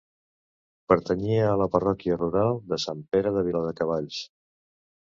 Pertanyia a la parròquia rural de Sant Pere de Viladecavalls.